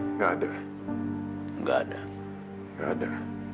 enggak enggak ada